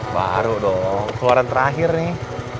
baru dong keluaran terakhir nih